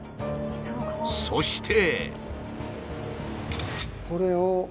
そして。